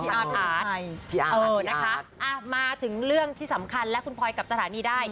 พี่อาร์ดพี่อาร์ดพี่อาร์ดมาถึงเรื่องที่สำคัญแล้วคุณพอยกลับตรฐานนี้ได้